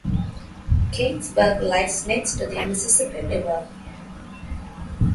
Keithsburg lies next to the Mississippi River.